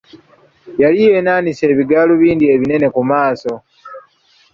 Yali yeenaanise ebigaalubindi ebinene ku maaso.